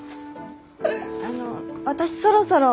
あの私そろそろ。